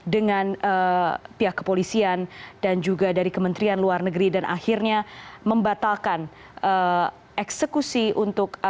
dengan pihak kepolisian dan juga dari kementerian luar negeri dan akhirnya membatalkan eksekusi untuk